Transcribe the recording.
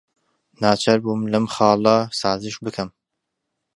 ناچار بووم لەم خاڵە سازش بکەم.